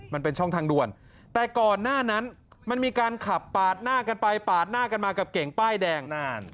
มันเป็นช่องทางด่วนแต่ก่อนหน้านั้นมันมีการขับปาดหน้ากันไปปาดหน้ากันมากับเก่งป้ายแดงนาน